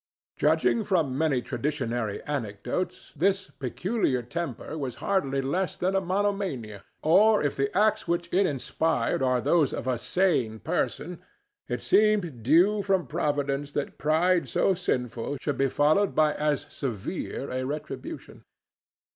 Judging from many traditionary anecdotes, this peculiar temper was hardly less than a monomania; or if the acts which it inspired were those of a sane person, it seemed due from Providence that pride so sinful should be followed by as severe a retribution.